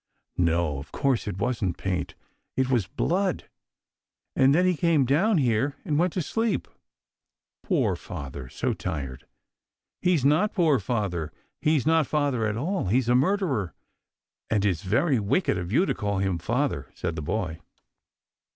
" No, of course it wasn't paint. It was blood. And then he came down here and went to sleep." " Poor father, so tired." " He's not poor father, he's not father at all ; he's a murderer, and it is very wicked of you to call him father," said the boy.